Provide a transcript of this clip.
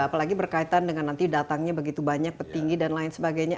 apalagi berkaitan dengan nanti datangnya begitu banyak petinggi dan lain sebagainya